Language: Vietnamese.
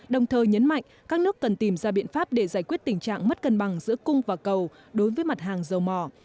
đồng thời nhấn mạnh các nước cần tìm ra biện pháp để giải quyết tình trạng mất cân bằng giữa cung và cầu đối với mặt hàng dầu mỏ